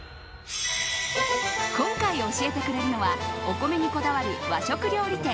今回教えてくれるのはお米にこだわる和食料理店